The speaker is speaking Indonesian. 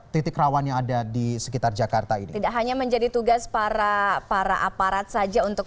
titik rawan yang ada di sekitar jakarta ini tidak hanya menjadi tugas para para aparat saja untuk